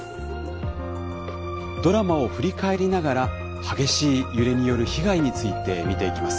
ドラマを振り返りながら激しい揺れによる被害について見ていきます。